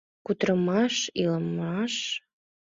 Кутырымаш-илымаш?